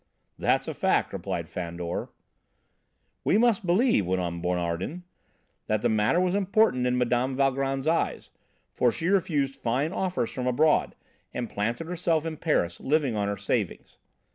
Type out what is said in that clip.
"That's a fact," replied Fandor. "We must believe," went on Bonardin, "that the matter was important in Mme. Valgrand's eyes, for she refused fine offers from abroad, and planted herself in Paris, living on her savings.